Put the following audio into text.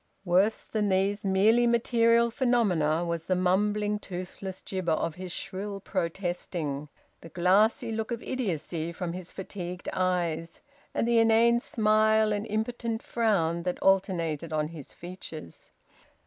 Worse than these merely material phenomena was the mumbling toothless gibber of his shrill protesting; the glassy look of idiocy from his fatigued eyes; and the inane smile and impotent frown that alternated on his features.